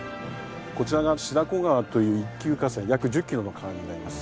こちらが白子川という一級河川約１０キロの川になります。